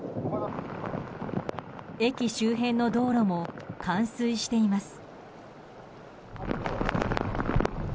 駅周辺の道路も冠水しています。